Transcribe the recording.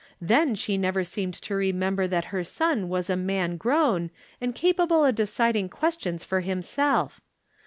Then, she never seemed to remember that her son was a man grown, and capable of deciding questions for himself.